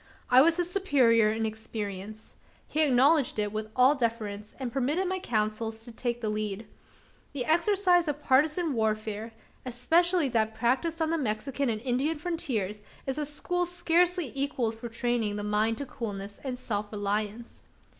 I was his superior in experience. He acknowledged it with all deference, and permitted my counsels to take the lead. The exercise of partisan warfare especially that practised on the Mexican and Indian frontiers is a school scarcely equalled for training the mind to coolness and self reliance.